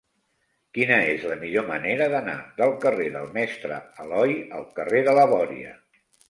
Quina és la millor manera d'anar del carrer del Mestre Aloi al carrer de la Bòria?